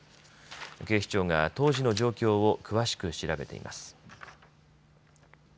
警視庁が当時の状況を詳しく調べています。